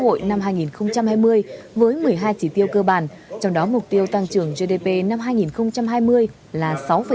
quốc hội đã thông qua kế hoạch phát triển kinh tế xã hội năm hai nghìn hai mươi với một mươi hai chỉ tiêu cơ bản trong đó mục tiêu tăng trưởng gdp năm hai nghìn hai mươi là sáu tám